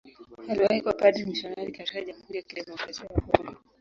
Aliwahi kuwa padri mmisionari katika Jamhuri ya Kidemokrasia ya Kongo.